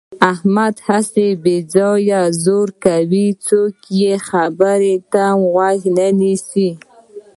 احمد هسې بې ځایه زور کوي. څوک یې خبرې ته غوږ نه نیسي.